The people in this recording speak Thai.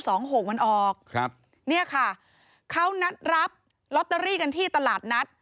หกมันออกครับเนี่ยค่ะเขานัดรับลอตเตอรี่กันที่ตลาดนัด